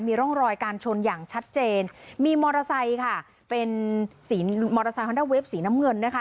มีร่องรอยการชนอย่างชัดเจนมีมอเตอร์ไซค์ค่ะเป็นสีมอเตอร์ไซคอนด้าเวฟสีน้ำเงินนะคะ